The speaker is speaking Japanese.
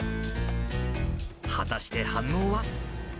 果たして、反応は？